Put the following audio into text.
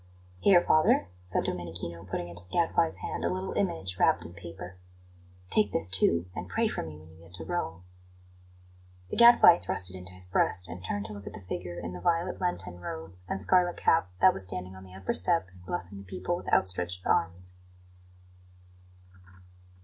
"Here, father," said Domenichino, putting into the Gadfly's hand a little image wrapped in paper; "take this, too, and pray for me when you get to Rome." The Gadfly thrust it into his breast, and turned to look at the figure in the violet Lenten robe and scarlet cap that was standing on the upper step and blessing the people with outstretched arms.